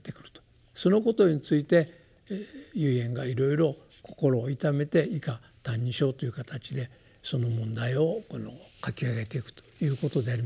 そのことについて唯円がいろいろ心を痛めて以下「歎異抄」という形でその問題を書き上げていくということでありますから。